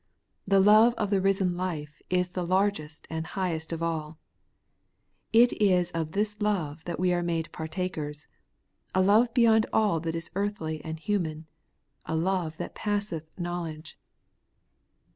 The love of the risen life is the largest and the highest of all. It is of this love that we are made partakers ; a love beyond all that is earthly and human ; a love that passeth knowledge.